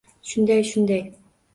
— Shunday, shunday.